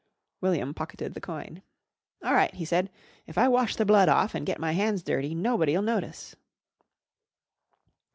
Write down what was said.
William pocketed the coin. "All right!" he said. "If I wash the blood off an' get my hands dirty nobody'll notice."